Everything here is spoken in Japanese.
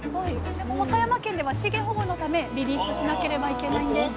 でも和歌山県では資源保護のためリリースしなければいけないんですあ